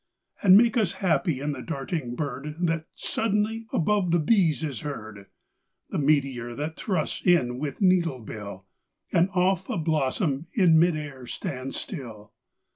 And make us happy in the darting birdThat suddenly above the bees is heard, The meteor that thrusts in with needle bill, And off a blossom in mid air stands still.